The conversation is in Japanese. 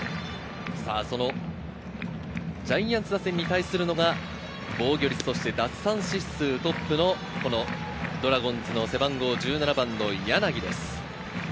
ジャイアンツ打線に対するのが防御率奪三振数トップのドラゴンズ背番号１７番・柳です。